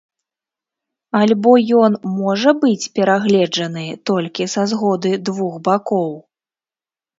Альбо ён можа быць перагледжаны толькі са згоды двух бакоў?